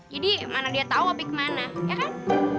jadi mana dia tau opi kemana ya kan